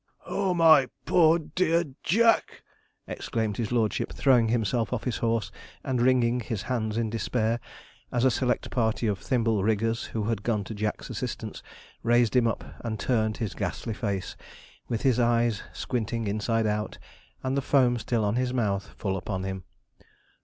'Oh, my poor dear Jack!' exclaimed his lordship, throwing himself off his horse, and wringing his hands in despair, as a select party of thimble riggers, who had gone to Jack's assistance, raised him up, and turned his ghastly face, with his eyes squinting inside out, and the foam still on his mouth, full upon him.